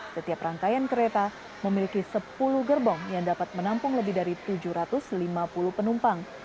setiap rangkaian kereta memiliki sepuluh gerbong yang dapat menampung lebih dari tujuh ratus lima puluh penumpang